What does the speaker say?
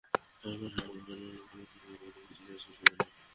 সরকারের সমালোচনা করে সামাজিক যোগাযোগের মাধ্যমে লেখায় বিচার করা হয়েছে দুজনের।